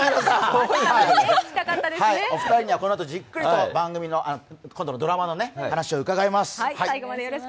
お二人にはこのあとじっくりと今度のドラマの話を伺います。